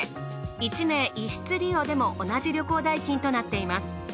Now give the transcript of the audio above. １名１室利用でも同じ旅行代金となっています。